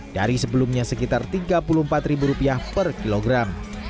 dari sebelumnya sekitar rp tiga puluh empat per kilogram